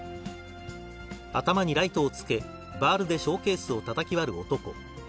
頭にライトをつけ、バールでショーケースをたたき割る男。